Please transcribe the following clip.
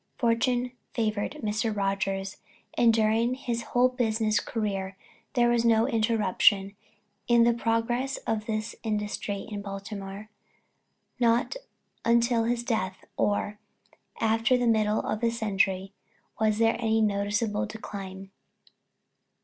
Fortune favored Mr. Rogers, and during his whole business career there was no interruption in the progress of this industry in Baltimore. Not until his death, or after the middle of the century, was there any noticeable decline.